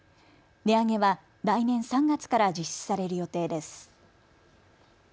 値上げは来年３月から実施される予定です。